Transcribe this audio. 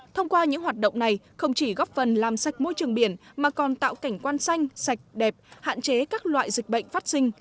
thông qua những hoạt động này không chỉ góp phần làm sạch môi trường biển mà còn tạo cảnh quan xanh sạch đẹp hạn chế các loại dịch bệnh phát sinh